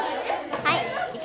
はい。